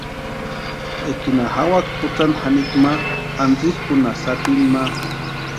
Ekinha jawaka kutsanta janikwa ma antsïkʼunha sapini ma.